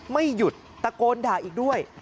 ไม่หยุดตะโกนด่าอีกด้วย